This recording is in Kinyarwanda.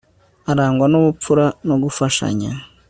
arangwa nubupfura no gufashanya